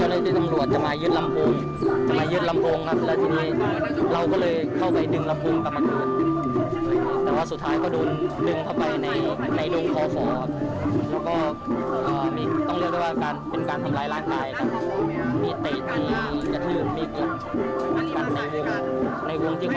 ไม่มีกิจกันในวงที่ขอสอน้องที่เท่าไหร่ร้ายกายเมื่อกี้